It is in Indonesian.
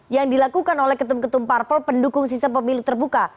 yang dilakukan oleh ketum ketum parpol pendukung sistem pemilu terbuka